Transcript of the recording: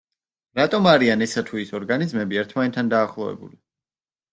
რატომ არიან ესა თუ ის ორგანიზმები ერთმანეთთან დაახლოებული?